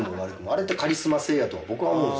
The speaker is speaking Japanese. あれってカリスマ性やと僕は思うんですけど。